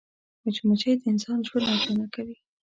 مچمچۍ د انسان ژوند اسانه کوي